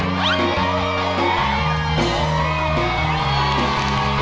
นอนนี้